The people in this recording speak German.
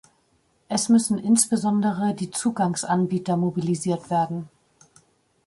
Es müssen insbesondere die Zugangsanbieter mobilisiert werden.